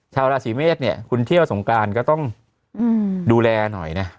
ชาวราศีเมษเนี่ยคุณเที่ยวสงการก็ต้องดูแลหน่อยนะ